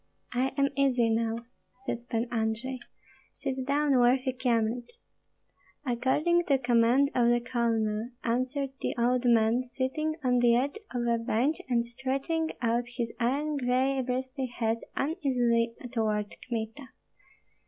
"I am easy now," said Pan Andrei; "sit down, worthy Kyemlich." "According to command of the colonel," answered the old man, sitting on the edge of a bench and stretching out his iron gray bristly head uneasily toward Kmita.